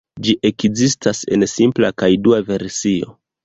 Ĝi ekzistas en simpla kaj dua versio.